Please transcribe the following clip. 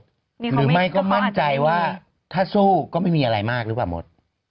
หรือไม่ก็มั่นใจว่าถ้าสู้ก็ไม่มีอะไรมากหรือเปล่ามด